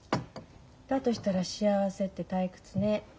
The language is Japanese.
だとしたら幸せって退屈ね。